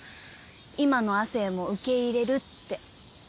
今の亜生も受け入れるって。